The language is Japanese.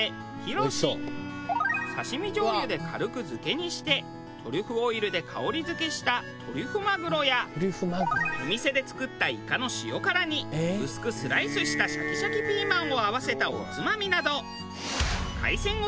刺し身じょうゆで軽く漬けにしてトリュフオイルで香り付けしたトリュフマグロやお店で作ったイカの塩辛に薄くスライスしたシャキシャキピーマンを合わせたおつまみなど。